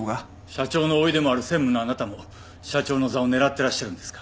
社長の甥でもある専務のあなたも社長の座を狙っていらっしゃるんですか？